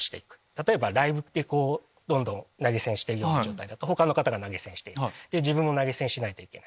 例えばライブって投げ銭してるような状態だと他の方が投げ銭している自分も投げ銭しないといけない。